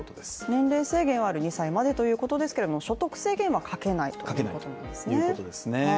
年齢制限はありまして２歳までということですけども、所得制限はかけないということなんですね。